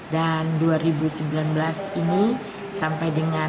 dan dua ribu sembilan belas ini sampai dengar